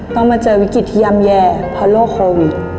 ต้องมาเจอวิกฤตที่ย่ำแย่เพราะโรคโควิด